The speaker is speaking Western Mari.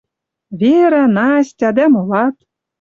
Вера, Настя дӓ молат.